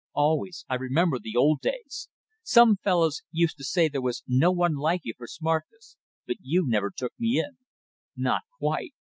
"Always! I remember the old days. Some fellows used to say there was no one like you for smartness but you never took me in. Not quite.